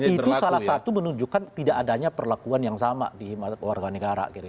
itu salah satu menunjukkan tidak adanya perlakuan yang sama di warga negara